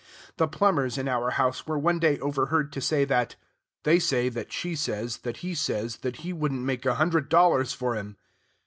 The plumbers in our house were one day overheard to say that, "They say that she says that he says that he wouldn't take a hundred dollars for him."